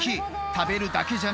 食べるだけじゃない。